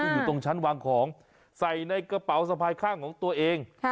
อยู่ตรงชั้นวางของใส่ในกระเป๋าสะพายข้างของตัวเอง